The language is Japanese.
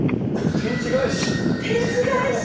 天地返し！